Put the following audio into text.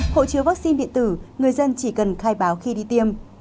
hộ chiếu vaccine điện tử người dân chỉ cần khai báo khi đi tiêm